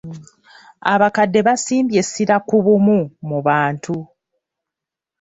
Abakadde basimbye essira ku bumu mu bantu.